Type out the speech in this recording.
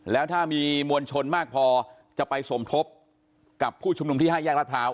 แล้วถ้ามีมวลชนมากพอจะไปสมทบกับผู้ชุมนุมที่๕แยกรัฐพร้าว